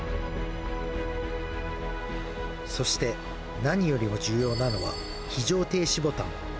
そして、何よりも重要なのは、非常停止ボタン。